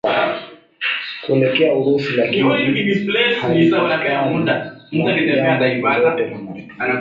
kuelekea Urusi lakini halipakani na jimbo lolote la Marekani